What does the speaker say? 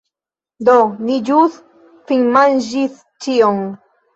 Do, ni ĵus finmanĝis ĉion